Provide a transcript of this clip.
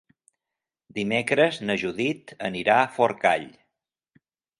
Dimecres na Judit anirà a Forcall.